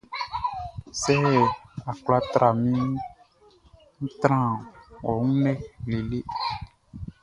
Sɛ a kwla tra minʼn, ń trán ɔ wun lɛ lele.